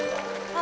あ